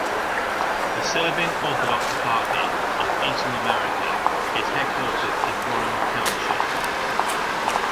The Serbian Orthodox Eparchy of Eastern America is headquartered in Warren Township.